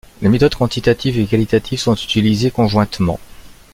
Les méthodes quantitatives et qualitatives sont utilisées conjointement.